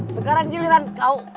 sekarang giliran kau